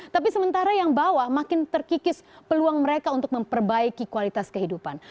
tapi sementara yang bawah makin terkikis peluang mereka untuk memperbaiki kualitas kehidupan